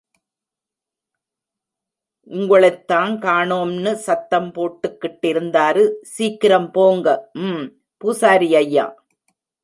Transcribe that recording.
உங்களெத்தாங் காணோம்னு சத்தம் போட்டுகிட்டிருந்தாரு சீக்கிரம் போங்க........ ம்........ பூசாரி ஐயா!